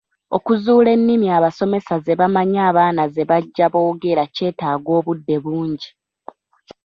Okuzuula ennimi abasomesa ze bamanyi abaana ze bajja boogera kyetaaga obudde bungi.